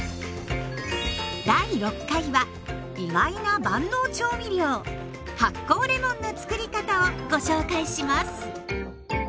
第６回は意外な万能調味料発酵レモンのつくり方をご紹介します。